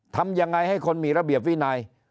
ทำยังไงให้คนมีระเบียบวินัย